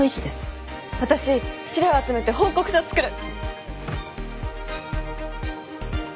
私資料集めて報告書作る！